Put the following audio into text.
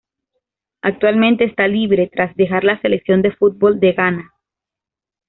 Actualmente está libre, tras dejar la Selección de fútbol de Ghana.